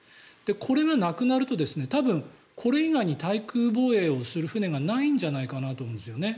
これがなくなると多分、これ以外に対空防衛をする船がないんじゃないかなと思うんですよね。